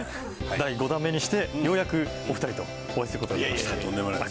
第５弾目にしてようやくお二人とお会いすることができました。